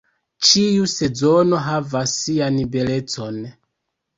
Ĉiu sezono havas sian belecon.